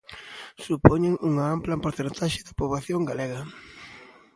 Supoñen unha ampla porcentaxe da poboación galega.